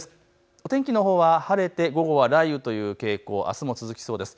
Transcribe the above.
お天気のほうは晴れて午後は雷雨という傾向、あすも続きそうです。